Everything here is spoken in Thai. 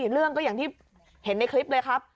เรื่องก็อย่างที่เห็นในคลิปเลยครับ